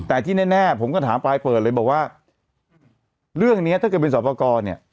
แต่ที่แน่ผมก็ถามปลายเปิดเลยบอกว่าเรื่องนี้ถ้าเกิดเป็นสอบประกอบเนี่ย